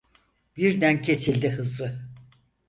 Birden kesildi hızı.